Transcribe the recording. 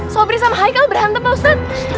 sobris sama haikal berantem mbak ustadz